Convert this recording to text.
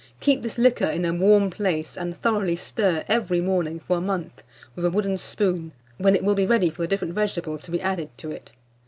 Keep this liquor in a warm place, and thoroughly stir every morning for a month with a wooden spoon, when it will be ready for the different vegetables to be added to it.